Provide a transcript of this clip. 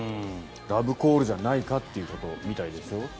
ラブコールじゃないかっていうことみたいですよ。